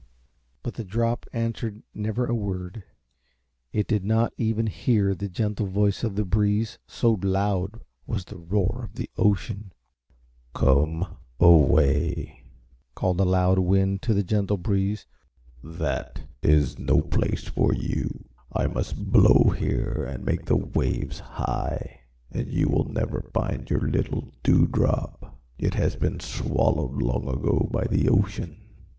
But the drop answered never a word. It did not even hear the gentle voice of the breeze, so loud was the roar of the ocean. "Come away," called a loud wind to the gentle breeze; "that is no place for you. I must blow here and make the waves high, and you will never find your little Dewdrop. It has been swallowed long ago by the ocean.